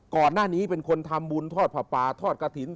ก่อนหน้านี้เป็นคนทำบุญทอดผ้าป่าทอดกระถิ่น